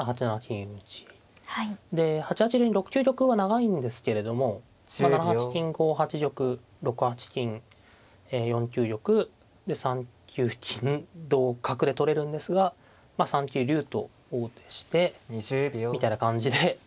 で８八竜に６九玉は長いんですけれども７八金５八玉６八金４九玉で３九金同角で取れるんですがまあ３九竜と王手してみたいな感じで。